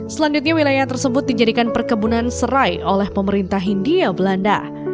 selanjutnya wilayah tersebut dijadikan perkebunan serai oleh pemerintah hindia belanda